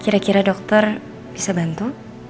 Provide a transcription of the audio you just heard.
kira kira dokter bisa bantu